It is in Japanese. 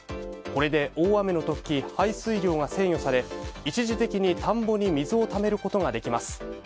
これで大雨の時排水量が制御され一時的に田んぼに水をためることができます。